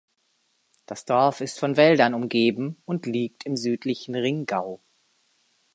Das Dorf ist von Wäldern umgeben und liegt im südlichen Ringgau.